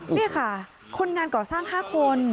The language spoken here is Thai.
นี่ค่ะคนงานก่อสร้าง๕คน